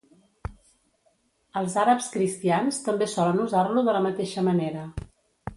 Els àrabs cristians també solen usar-lo de la mateixa manera.